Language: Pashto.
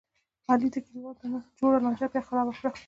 علي د کلیوالو ترمنځ جوړه لانجه بیا خرابه کړله.